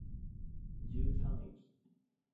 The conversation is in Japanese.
十三駅